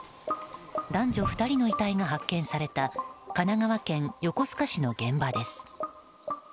男女２人の遺体が発見された神奈川県横須賀市の現場です。